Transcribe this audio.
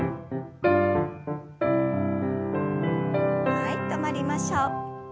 はい止まりましょう。